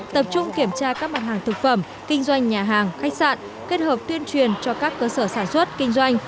tập trung kiểm tra các mặt hàng thực phẩm kinh doanh nhà hàng khách sạn kết hợp tuyên truyền cho các cơ sở sản xuất kinh doanh